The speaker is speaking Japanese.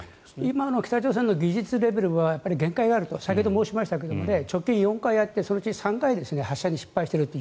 今の北朝鮮の技術レベルは限界があると先ほど申しましたが直近４回やってそのうち３回で発射に失敗している。